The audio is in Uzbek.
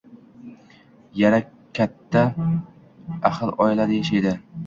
Yura katta, ahil oilada yashaydi